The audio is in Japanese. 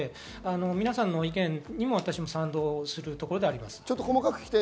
皆さんの意見にも賛同するところであります。